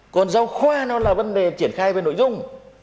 còn giáo khoa nó là vấn đề triển khai về nội dung